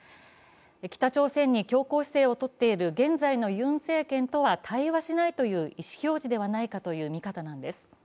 北朝鮮に強硬姿勢を取っている現在のユン政権とは対話しないという意思表示ではないかという見方なんです。